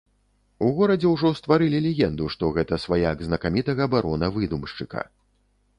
У горадзе ўжо стварылі легенду, што гэта сваяк знакамітага барона-выдумшчыка.